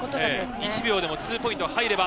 １秒でもツーポイントが入れば。